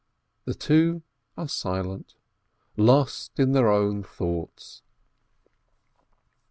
The two are silent, lost in their own thoughts.